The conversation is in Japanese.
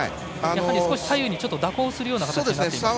左右に蛇行するような形になっています。